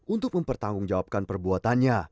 untuk mempertanggungjawabkan perbuatannya